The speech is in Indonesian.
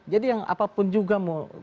jadi yang apapun juga mau